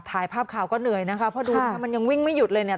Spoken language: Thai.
ถ่ายภาพข่าวก็เหนื่อยนะคะเพราะดูนะคะมันยังวิ่งไม่หยุดเลยเนี่ย